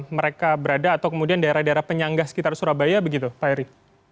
mereka berada atau kemudian daerah daerah penyangga sekitar surabaya begitu pak eri